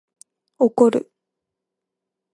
怒る